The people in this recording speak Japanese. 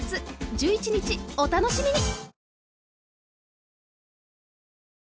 １１日お楽しみに！